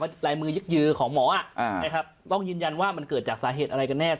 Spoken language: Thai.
ลายมือยึกยือของหมอนะครับต้องยืนยันว่ามันเกิดจากสาเหตุอะไรกันแน่